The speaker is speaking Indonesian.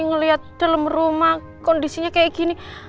ngelihat dalam rumah kondisinya kayak gini